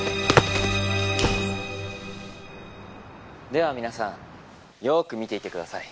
では皆さんよく見ていてください。